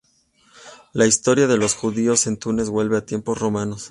La Historia de los judíos en Túnez vuelve a tiempos romanos.